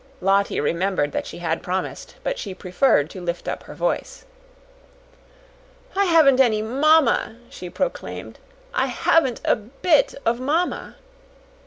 Lottie remembered that she had promised, but she preferred to lift up her voice. "I haven't any mamma," she proclaimed. "I haven't a bit of mamma."